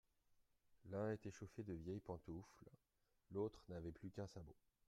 L'un était chaussé de vieilles pantoufles, l'autre n'avait plus qu'un sabot.